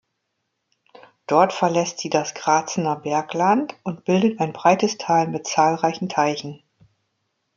Dort verlässt sie das Gratzener Bergland und bildet ein breites Tal mit zahlreichen Teichen.